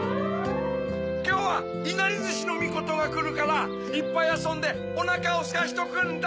きょうはいなりずしのみことがくるからいっぱいあそんでおなかをすかしとくんだ。